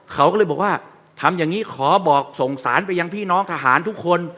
เขาก็เลยบอกว่าทำอย่างนี้ขอบอกส่งสารไปยังพี่น้องทหารทุกคน